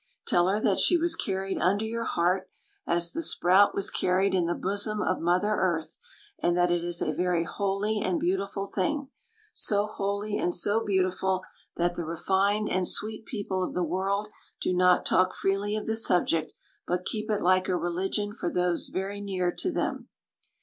Tell her that she was carried under your heart, as the sprout was carried in the bosom of mother earth, and that it is a very holy and beautiful thing; so holy and so beautiful that the refined and sweet people of the world do not talk freely of the subject, but keep it like a religion, for those very near to them.